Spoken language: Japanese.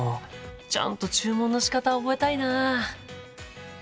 ちゃんと注文のしかた覚えたいな。